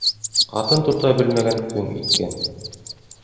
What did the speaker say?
Ҡатын тота белмәгән көң иткән